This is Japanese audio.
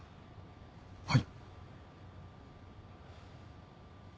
はい。